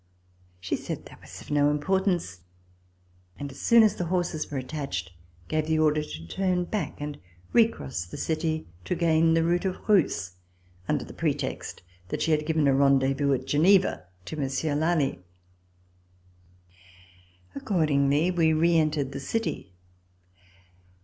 She said that that was of no importance, and as soon as the horses were attached, gave the order to turn back and recross the city to gain the route of Rousses under the pretext that she had given a rendez vous at Geneva to Monsieur Lally. Accordingly, we reentered the city.